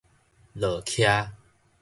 落崎